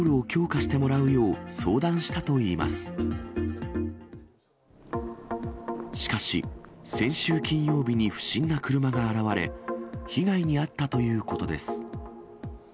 しかし、先週金曜日に不審な車が現れ、被害に遭ったということです。